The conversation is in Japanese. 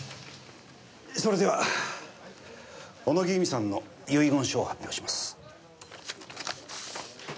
それでは小野木由美さんの遺言書を発表します。